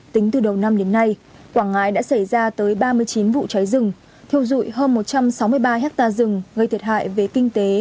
tính từ đầu năm đến nay quảng ngãi đã xảy ra tới ba mươi chín vụ cháy rừng thiêu dụi hơn một trăm sáu mươi ba hectare rừng gây thiệt hại về kinh tế